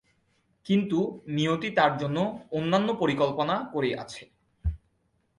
কিন্তু নিয়তি তাঁর জন্য অন্যান্য পরিকল্পনা করে আছে।